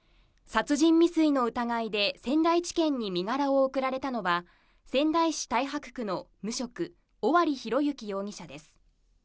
殺人未遂の疑いで仙台地検に身柄を送られたのは仙台市太白区の無職、尾張裕之容疑者です。